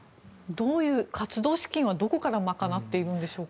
活動資金はどこから賄っているんでしょうか。